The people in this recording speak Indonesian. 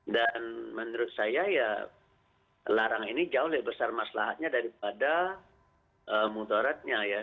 dan menurut saya ya larang ini jauh lebih besar masalahnya daripada mutaratnya ya